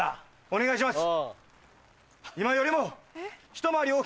お願いします！